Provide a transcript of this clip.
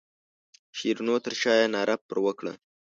شیرینو تر شایه ناره پر وکړه.